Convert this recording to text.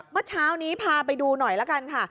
เมื่อเช้านี้พาไปดูหน่อยละกันค่ะ